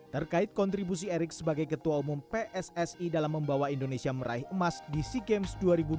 terkait kontribusi erick sebagai ketua umum pssi dalam membawa indonesia meraih emas di sea games dua ribu dua puluh